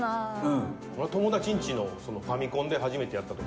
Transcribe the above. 俺友達んちのファミコンで初めてやったときかな。